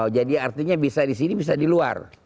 jadi artinya bisa di sini bisa di luar